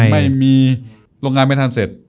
ไม่มีโรงงานไม่ทันเสร็จ